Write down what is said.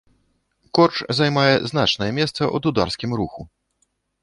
Корч займае значнае месца ў дударскім руху.